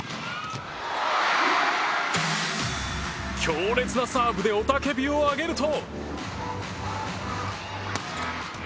強烈なサーブで雄たけびを上げると。